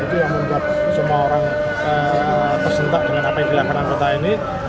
itu yang membuat semua orang tersentak dengan apa yang dilakukan anggota ini